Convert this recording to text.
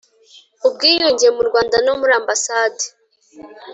ubwiyunge mu Rwanda no muri Ambasande